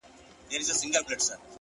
• او ستا پر قبر به ـ